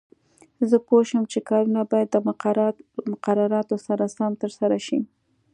زه پوه شوم چې کارونه باید د مقرراتو سره سم ترسره شي.